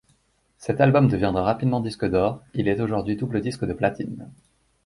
Cet album deviendra rapidement disque d'or, il est aujourd'hui double disque de platine.